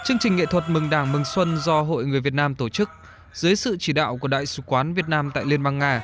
chương trình nghệ thuật mừng đảng mừng xuân do hội người việt nam tổ chức dưới sự chỉ đạo của đại sứ quán việt nam tại liên bang nga